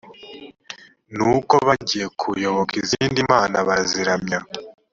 ni uko bagiye kuyoboka izindi mana, baraziramya,